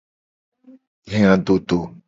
He adodo.